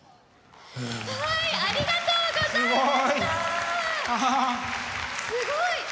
すごい。